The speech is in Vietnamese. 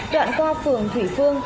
đoạn qua phường thủy phương